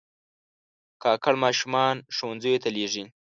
کاکړ ماشومان ښوونځیو ته لېږي.